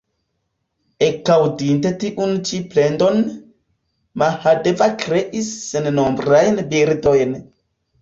Ekaŭdinte tiun ĉi plendon, Mahadeva kreis sennombrajn birdojn.